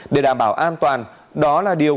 để đảm bảo an toàn đó là điều